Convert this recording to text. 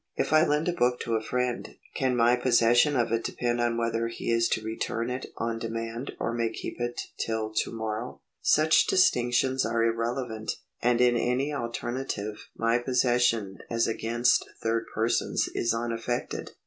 If I lend a book to a friend, can my possession of it depend on whether he is to return it on demand or may keep it tiU to morrow ? Such distinc tions are irrelevant, and in any alternative my possession as against third persons is unaffected.